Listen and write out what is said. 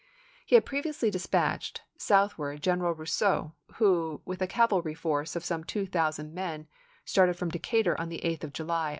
He had pre viously dispatched southward General Eousseau, who, with a cavalry force of some two thousand men, started from Decatur on the 8th of July im.